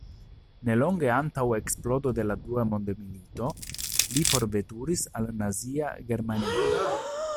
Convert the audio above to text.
Nelonge antaŭ eksplodo de la Dua mondmilito li forveturis al Nazia Germanio.